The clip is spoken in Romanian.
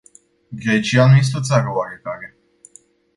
Grecia nu este o țară oarecare.